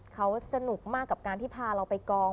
เขาสนุกมากกับการที่พาเราไปกอง